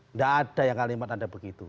nggak ada yang kalimat anda begitu